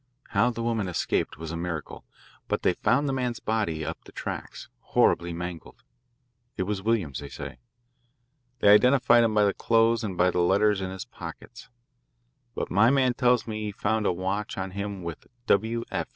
How the woman escaped was a miracle, but they found the man's body up the tracks, horribly mangled. It was Williams, they say. They identified him by the clothes and by letters in his pockets. But my man tells me he found a watch on him with 'W. F.'